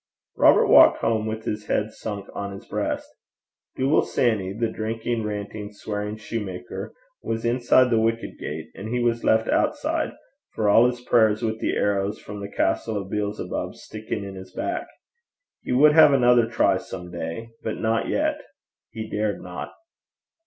Robert walked home with his head sunk on his breast. Dooble Sanny, the drinking, ranting, swearing soutar, was inside the wicket gate; and he was left outside for all his prayers, with the arrows from the castle of Beelzebub sticking in his back. He would have another try some day but not yet he dared not yet.